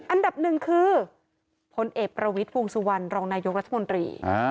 อันดับหนึ่งคือพลเอกประวิทย์วงสุวรรณรองนายกรัฐมนตรี